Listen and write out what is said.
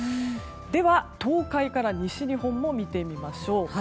では、東海から西日本も見てみましょう。